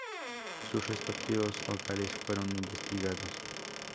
Sus respectivos hogares fueron investigados.